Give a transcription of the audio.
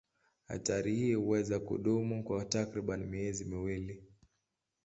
Hatari hii huweza kudumu kwa takriban miezi miwili.